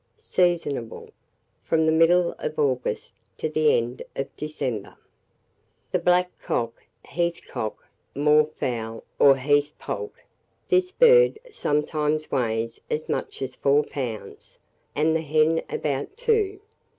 Seasonable from the middle of August to the end of December. [Illustration: THE BLACK COCK.] THE BLACK COCK, HEATH COCK, MOOR FOWL, OR HEATH POULT. This bird sometimes weighs as much as four pounds, and the hen about two.